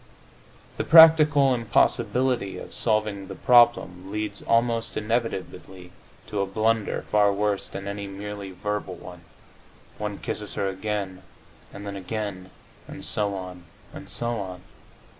The practical impossibility of solving the problem leads almost inevitably to a blunder far worse than any merely verbal one: one kisses her again, and then again, and so on, and so on.